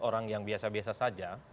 orang yang biasa biasa saja